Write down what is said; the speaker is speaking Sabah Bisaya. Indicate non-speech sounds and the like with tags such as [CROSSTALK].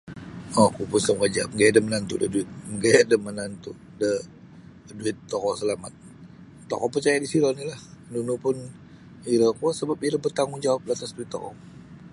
Oku pun sa maka nu gaya do nunu gaya [LAUGHS] manantu da duit tokou selamat tokou percaya disiro oni ah nunu pun iro kuo sebap iro bertanggungjawab ka atas duit tokou.